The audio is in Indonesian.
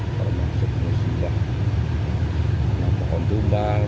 termasuk musibah pohon tumbang